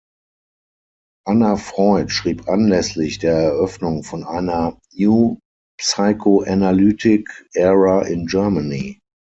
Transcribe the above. Anna Freud schrieb anlässlich der Eröffnung von einer „new psychoanalytic era in Germany“.